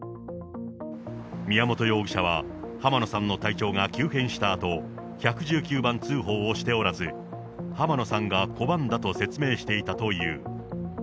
宮本容疑者は浜野さんの体調が急変したあと、１１９番通報をしておらず、浜野さんが拒んだと説明していたという。